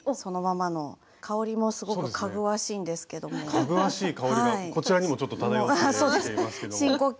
かぐわしい香りがこちらにもちょっと漂ってきていますけども。